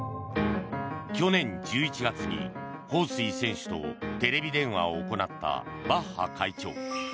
去年１１月にホウ・スイ選手とテレビ電話を行ったバッハ会長。